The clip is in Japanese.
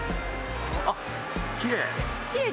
あっきれい。